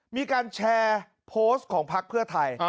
มีการแชร์โพสต์ของพักเพื่อไทย